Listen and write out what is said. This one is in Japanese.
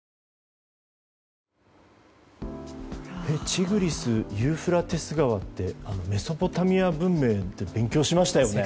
チグリスユーフラテス川ってメソポタミア文明で勉強しましたよね。